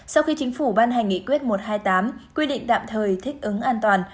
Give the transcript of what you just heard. sau khi chính phủ ban hành nghị quyết một trăm hai mươi tám quy định tạm thời thích ứng an toàn